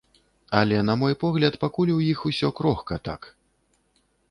Але на мой погляд пакуль у іх усё крохка так.